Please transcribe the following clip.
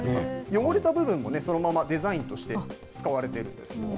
汚れた部分もそのままデザインとして、使われているんですよ。